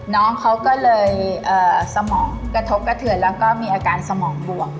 น้องเขาก็เลยสมองกระทบกระเทือนแล้วก็มีอาการสมองบวม